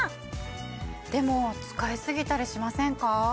でも使い過ぎたりしませんか？